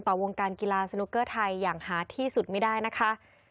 วงการกีฬาสนุกเกอร์ไทยอย่างหาที่สุดไม่ได้นะคะ